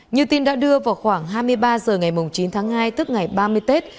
như tin đã đưa vào khoảng hai mươi ba h ngày chín tháng hai tức ngày ba mươi tết